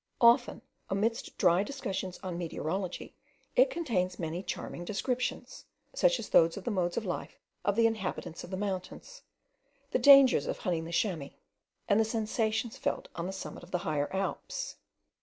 Often, amidst dry discussions on meteorology, it contains many charming descriptions; such as those of the modes of life of the inhabitants of the mountains, the dangers of hunting the chamois, and the sensations felt on the summit of the higher Alps.